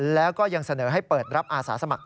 แล้วก็ยังเสนอให้เปิดรับอาสาสมัคร